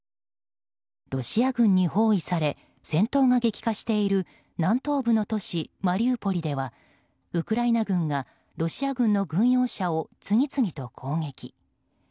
ロシア軍に包囲され戦闘が激化している南東部の都市マリウポリではウクライナ軍がロシア軍の軍用車を次々と攻撃。